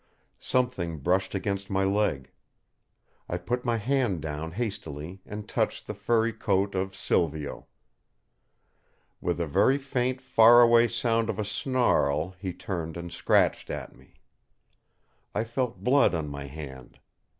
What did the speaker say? Something brushed against my leg. I put my hand down hastily and touched the furry coat of Silvio. With a very faint far away sound of a snarl he turned and scratched at me. I felt blood on my hand.